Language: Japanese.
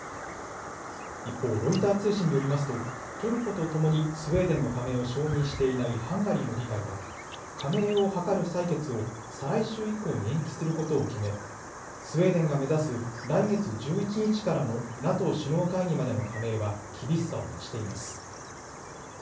一方、ロイター通信によりますとトルコとともにスウェーデンの加盟を承認していないハンガリーの議会は加盟を諮る採決を再来週以降に延期することを決めスウェーデンが目指す来月１１日からのＮＡＴＯ首脳会議までの加盟は厳しさを増しています。